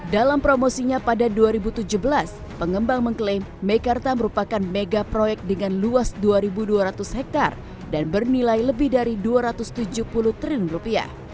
dalam promosinya pada dua ribu tujuh belas pengembang mengklaim mekarta merupakan mega proyek dengan luas dua dua ratus hektare dan bernilai lebih dari dua ratus tujuh puluh triliun rupiah